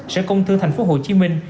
sở công thư thành phố hồ chí minh